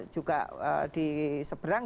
juga di seberang